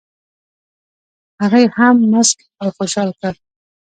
هغه یې هم مسک او خوشال کړ.